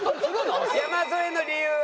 山添の理由は？